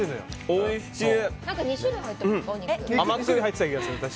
おいしい。